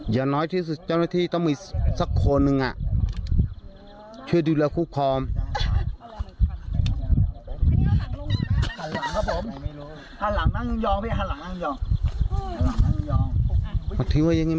อย่างน้อยที่สุดเจ้าหน้าที่ต้องมีสักคนหนึ่งช่วยดูแลคุกครอง